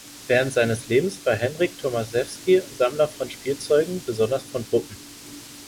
Während seines Lebens war Henryk Tomaszewski Sammler von Spielzeug, besonders von Puppen.